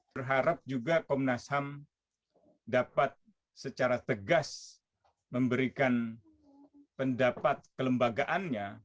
berharap juga komnas ham dapat secara tegas memberikan pendapat kelembagaannya